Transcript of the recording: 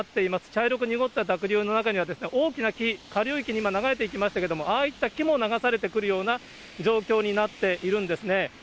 茶色く濁った濁流の中には、大きな木、下流域に今、流れていきましたけれども、ああいった木も流されていくような状況になっているんですね。